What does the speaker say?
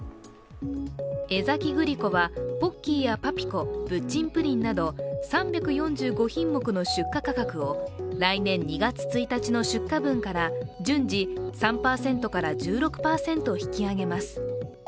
江崎グリコはポッキーやパピコ、プッチンプリンなど３４５品目の出荷価格を来年２月１日の出荷分から順次３％から１６％引き上げます。